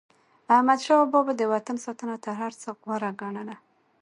احمدشاه بابا به د وطن ساتنه تر هر څه غوره ګڼله.